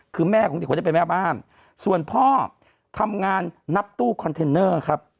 คือแม่ของเด็กคนนี้เป็นแม่บ้านส่วนพ่อทำงานนับตู้คอนเทนเนอร์ครับ